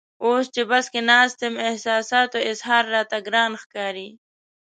اوس چې بس کې ناست یم احساساتو اظهار راته ګران ښکاري.